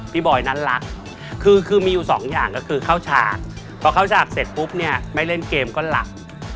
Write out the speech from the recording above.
บอยนั้นรักคือคือมีอยู่สองอย่างก็คือเข้าฉากพอเข้าฉากเสร็จปุ๊บเนี่ยไม่เล่นเกมก็หลับ